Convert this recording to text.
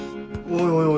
おいおい